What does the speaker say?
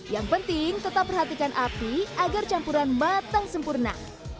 yang penting tetap perhatikan api agar campuran matang sempurna